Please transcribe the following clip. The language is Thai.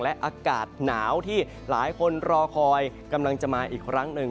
และอากาศหนาวที่หลายคนรอคอยกำลังจะมาอีกครั้งหนึ่ง